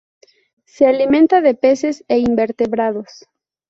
Se alimenta de peces e invertebrados.